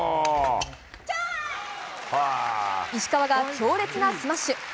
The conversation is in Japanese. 石川が強烈なスマッシュ！